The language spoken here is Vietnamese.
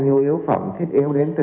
nhiều yếu phẩm thiết yếu đến từ